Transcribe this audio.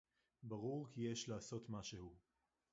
בָּרוּר כִּי יֵשׁ לַעֲשׂוֹת מַשֶׁהוּ.